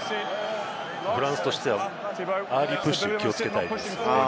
フランスとしてはアーリープッシュに気をつけたいですね。